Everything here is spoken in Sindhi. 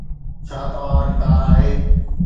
ڇا توهان وٽ ڪار آهي